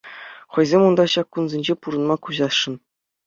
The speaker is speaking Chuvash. Хӑйсем унта ҫак кунсенче пурӑнма куҫасшӑн.